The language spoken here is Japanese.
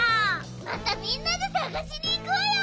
またみんなでさがしにいこうよ。